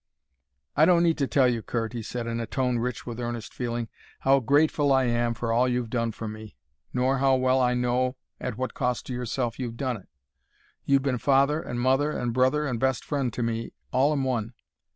"I don't need to tell you, Curt," he said in a tone rich with earnest feeling, "how grateful I am for all you've done for me, nor how well I know at what cost to yourself you've done it. You've been father and mother and brother and best friend to me all in one.